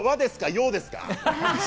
洋ですか？